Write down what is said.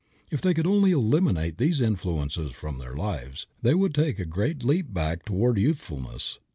If they could only eliminate these influences from their lives, they would take a great leap back toward youthfulness.